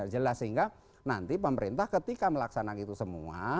jelas sehingga nanti pemerintah ketika melaksanakan itu semua